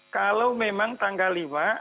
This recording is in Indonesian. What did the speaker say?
kalau memang tanggal lima